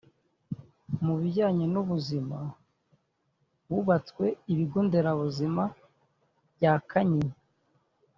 Mu bijyanye n’ubuzima hubatswe ibigo nderabuzima bya Kanyinya